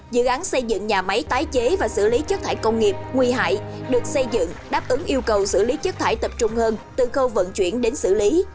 dự án xây dựng nhà máy tái chế và xử lý chất thải công nghiệp nguy hại được xây dựng đáp ứng yêu cầu xử lý chất thải tập trung hơn từ khâu vận chuyển đến xử lý